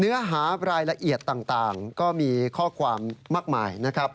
เนื้อหารายละเอียดต่างก็มีข้อความมากมายนะครับ